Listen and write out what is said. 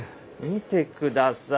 見てください。